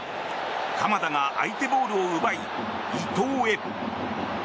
鎌田が相手ボールを奪い伊東へ。